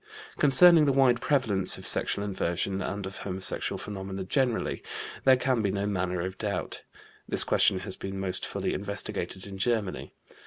Concerning the wide prevalence of sexual inversion and of homosexual phenomena generally, there can be no manner of doubt. This question has been most fully investigated in Germany.